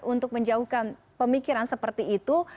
untuk menjauhkan pemikiran seperti itu